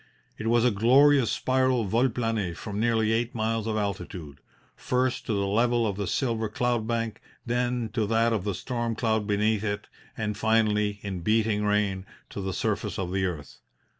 It was a glorious spiral vol plane from nearly eight miles of altitude first, to the level of the silver cloud bank, then to that of the storm cloud beneath it, and finally, in beating rain, to the surface of the earth.